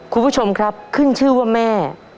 คุณผู้ชมครับขึ้นชื่อว่าแม่